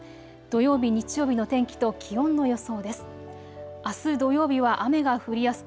土曜日、日曜日の天気と気温の予想です。